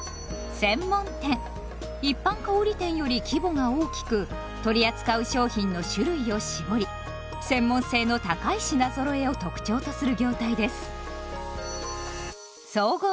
一般小売店より規模が大きく取り扱う商品の種類をしぼり専門性の高い品ぞろえを特徴とする業態です。